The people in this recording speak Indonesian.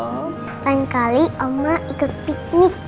selain kali mama ikut piknik ya